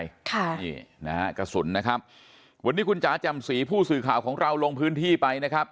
ค่ะนี่นะฮะกระสุนนะครับวันนี้คุณจ๋าแจ่มสีผู้สื่อข่าวของเราลงพื้นที่ไปนะครับ